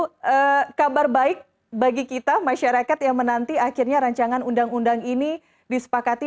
itu kabar baik bagi kita masyarakat yang menanti akhirnya rancangan undang undang ini disepakati